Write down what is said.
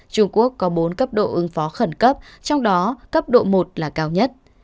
trung quốc có bốn cấp độ ứng phó khẩn cấp trong đó cấp độ một là cao nhất